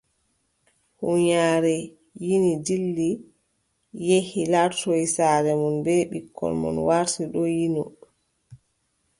Huunyaare yini dilli yehi laartoy saare mum bee ɓikkon mum warti ɗon yino.